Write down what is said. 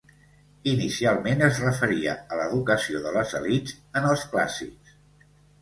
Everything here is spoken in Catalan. Inicialment es referia a l'educació de les elits en els clàssics.